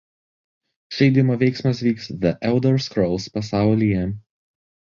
Žaidimo veiksmas vyks "The Elder Scrolls" pasaulyje.